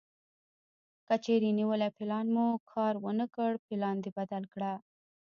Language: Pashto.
کچېرې نیولی پلان مو کار ونه کړ پلان دې بدل کړه.